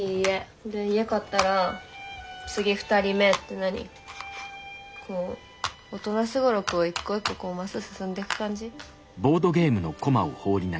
んで家買ったら次２人目ってなりこう大人すごろくを一個一個こうマス進んでいく感じ？